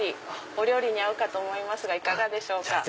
お料理に合うかと思いますがいかがでしょうか？